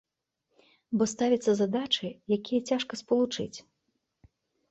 Бо ставяцца задачы, якія цяжка спалучыць.